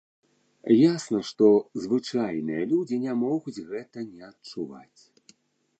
Ясна, што звычайныя людзі не могуць гэта не адчуваць.